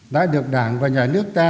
đã được đảng và nhà nước ta